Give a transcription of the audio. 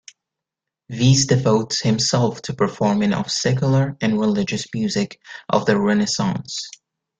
Visse devotes himself to performing of secular and religious music of the Renaissance.